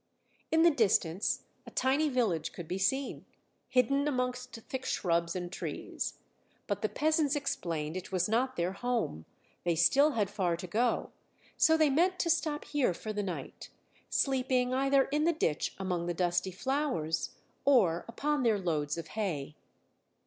In the distance a tiny village could be seen, hidden amongst thick shrubs and trees; but the peasants explained it was not their home; they still had far to go, so they meant to stop here for the night, sleeping either in the ditch among the dusty flowers or upon their loads of hay.